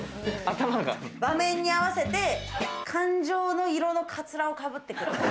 場面に合わせて感情の色のカツラをかぶってくる。